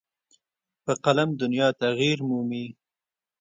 په قلم دنیا تغیر مومي.